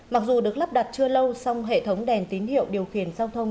mặc dù được lắp đặt chưa lâu song hệ thống đèn tín hiệu điều khiển giao thông